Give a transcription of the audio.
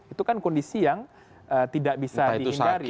itu kan kondisi yang tidak bisa dihindari